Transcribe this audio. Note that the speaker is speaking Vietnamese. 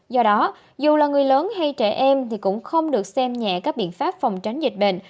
do đó dù là người lớn hay trẻ em thì cũng không được xem nhẹ các biện pháp phòng tránh dịch bệnh